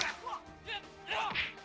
aku mau ke rumah